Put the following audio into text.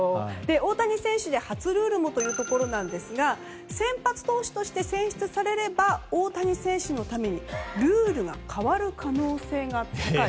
大谷選手、初ルールもということですが先発投手として選出されれば大谷選手のためにルールが変わる可能性が高い。